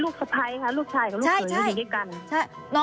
ลูกชายกับลูกหญิงอยู่ด้วยกัน